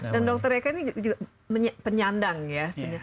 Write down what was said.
dan dokter eka ini juga penyandang ya